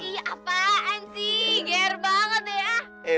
ih apaan sih ger banget ya